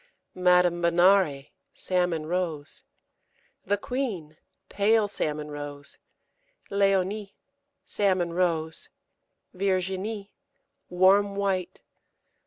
Madame Benare, salmon rose. The Queen, pale salmon rose. Léonie, salmon rose. Virginie, warm white.